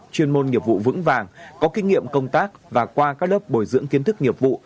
chuyên môn nghiệp vụ vững vàng có kinh nghiệm công tác và qua các lớp bồi dưỡng kiến thức nghiệp vụ